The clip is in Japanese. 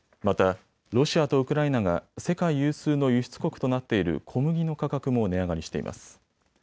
また、ロシアとウクライナが世界有数の輸出国となっている小麦の価格も値上がりしています。